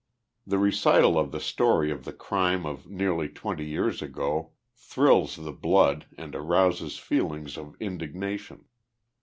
The recital of the story of the crime of nearly twenty years ago thrills the blood and arouses feelings of indig nation.